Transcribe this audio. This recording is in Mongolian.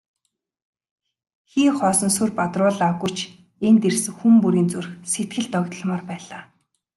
Хий хоосон сүр бадруулаагүй ч энд ирсэн хүн бүрийн зүрх сэтгэл догдолмоор байлаа.